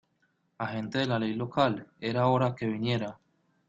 Agente de la ley local. Era hora que viniera .